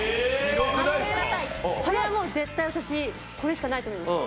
ピンポンこれはもう絶対私これしかないと思います。